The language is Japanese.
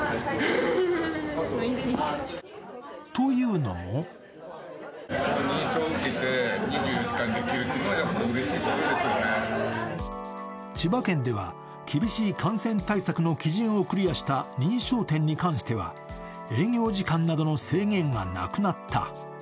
というのも千葉県では厳しい感染対策の基準をクリアした認証店に関しては営業時間などの制限がなくなった。